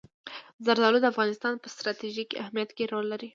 زردالو د افغانستان په ستراتیژیک اهمیت کې رول لري.